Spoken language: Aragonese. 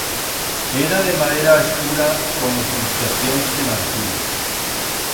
Era de madera escura con incrustacions de marfil.